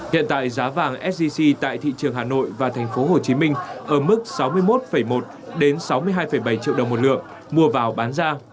hiện tại giá vàng sgc tại thị trường hà nội và thành phố hồ chí minh ở mức sáu mươi một một đến sáu mươi hai bảy triệu đồng một lượng mua vào bán ra